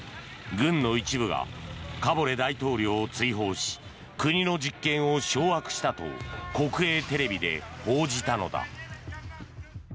軍の一部がカボレ大統領を追放し国の実権を掌握したと国営テレビで報じたのだ。